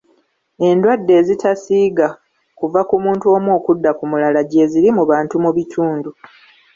Endwadde ezitasiiga kuva ku muntu omu okudda ku mulala gyeziri mu bantu mu bitundu.